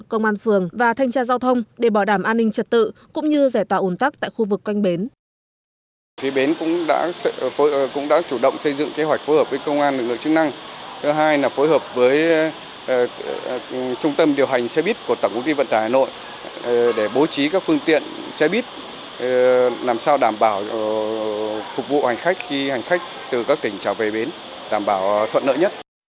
công an phường và thanh tra giao thông để bảo đảm an ninh trật tự cũng như giải tạo ổn tắc tại khu vực quanh bến